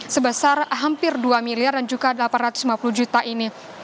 sebesar hampir dua miliar dan juga delapan ratus lima puluh juta ini